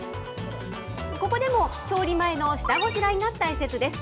ここでも調理前の下ごしらえが大切です。